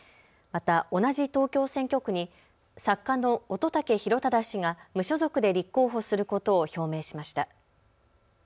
また同じ東京選挙区に作家の乙武洋匡氏が無所属で立候補することを表明しました。